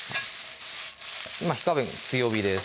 今火加減強火です